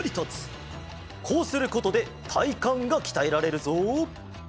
こうすることでたいかんがきたえられるぞ。